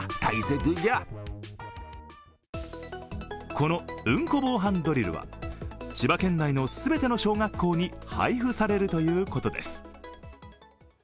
この「うんこ防犯ドリル」は千葉県内の全ての小学校に配布されるということです。